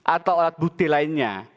atau alat bukti lainnya